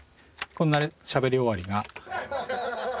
このしゃべり終わりが。